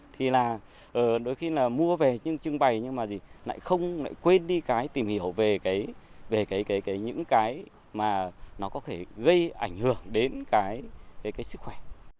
thì là đôi khi là mua về những trưng bày nhưng mà lại không lại quên đi cái tìm hiểu về cái về cái cái cái những cái mà nó có thể gây ảnh hưởng đến cái cái cái sức khỏe